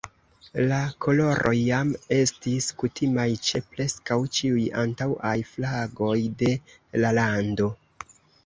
La koloroj jam estis kutimaj ĉe preskaŭ ĉiuj antaŭaj flagoj de la lando.